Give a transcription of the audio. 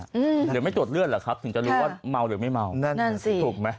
หรือไม่ตรวจเลือดเหรอครับถึงจะรู้ว่าเมาหรือไม่เมานั่นนั่นสิถูกไหม